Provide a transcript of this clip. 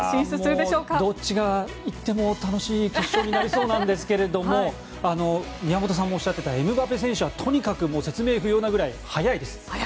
もうどっちが行っても楽しい決勝になりそうなんですけども宮本さんもおっしゃっていたエムバペ選手はとにかく説明不要なぐらい速いです。